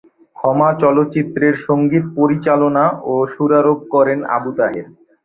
ক্ষমা চলচ্চিত্রের সঙ্গীত পরিচালনা ও সুরারোপ করেন আবু তাহের।